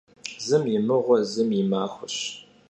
Zım yi mığue, zım yi maxueş.